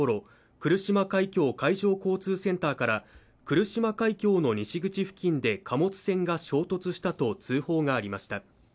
来島海峡海上交通センターから来島海峡の西口付近で貨物船が衝突したと通報がありました